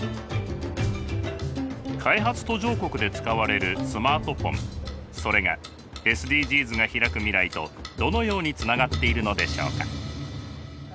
開発途上国で使われるスマートフォンそれがＳＤＧｓがひらく未来とどのようにつながっているのでしょうか。